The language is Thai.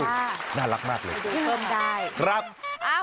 จ้าน่ารักมากเลยครับดูเพิ่มได้